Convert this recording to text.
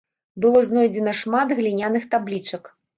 Было знойдзена шмат гліняных таблічак.